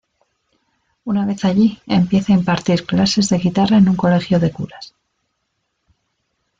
Una vez allí, empieza a impartir clases de guitarra en un colegio de curas.